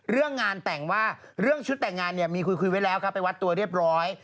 เรื่องงานแต่งว่าเรื่องชุดแต่งงานเนี่ยมีคุยไว้แล้วครับไปวัดตัวเรียบร้อย